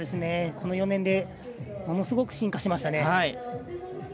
この４年でものすごく進化しましたね。